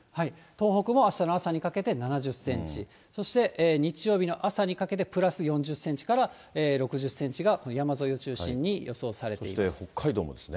東北もあしたの朝にかけて７０センチ、そして、日曜日の朝にかけてプラス４０センチから６０センチが山沿いを中そして北海道もですね。